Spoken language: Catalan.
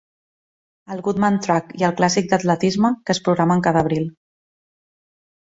El Woodman Track i el Clàssic d'atletisme, que es programen cada abril.